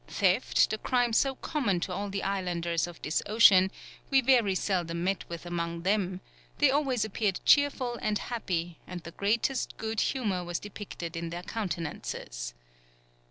Theft, the crime so common to all the islanders of this ocean, we very seldom met with among them; they always appeared cheerful and happy, and the greatest good humour was depicted in their countenances....